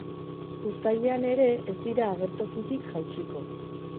Uztailean ere ez dira agertokitik jaitsiko.